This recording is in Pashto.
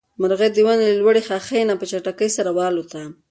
مرغۍ د ونې له لوړې ښاخۍ نه په چټکۍ سره والوته.